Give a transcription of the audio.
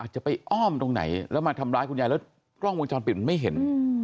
อ้อมตรงไหนแล้วมาทำร้ายคุณยายแล้วกล้องวงจรปิดมันไม่เห็น